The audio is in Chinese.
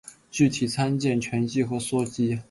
具体参见醛基与羧基。